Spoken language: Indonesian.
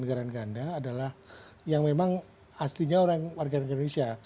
nah saya rasa yang paling penting adalah yang memang aslinya warga negara indonesia